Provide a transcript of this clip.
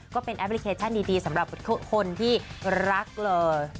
แอปพลิเคชันดีสำหรับคนที่รักเลย